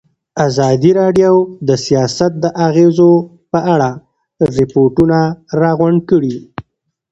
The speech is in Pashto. ازادي راډیو د سیاست د اغېزو په اړه ریپوټونه راغونډ کړي.